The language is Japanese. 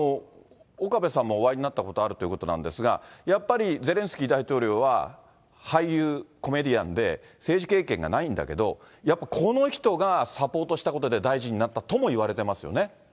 岡部さんもお会いになったことあるということなんですが、やっぱりゼレンスキー大統領は俳優、コメディアンで、政治経験がないんだけれども、やっぱ、この人がサポートしたことで大臣になったともいわれてますよね。